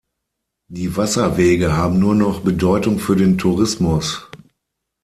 Die Wasserwege haben nur noch Bedeutung für den Tourismus.